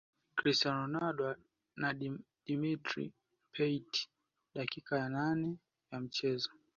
cristiano ronaldo aliumizwa na dimitr payet dakika ya nane ya mchezo